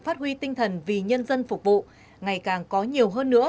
phát huy tinh thần vì nhân dân phục vụ ngày càng có nhiều hơn nữa